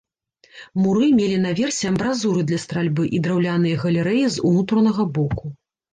Муры мелі на версе амбразуры для стральбы і драўляныя галерэі з унутранага боку.